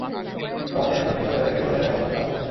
সমাজের জন্য দৃষ্টান্ত হয়ে থাকবে—এ ধরনের ভালো কিছু কাজ করতে চাই।